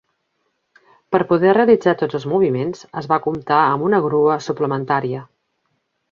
Per poder realitzar tots els moviments, es va comptar amb una grua suplementària.